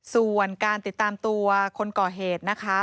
ส่วนการติดตามตัวคนก่อเหตุนะคะ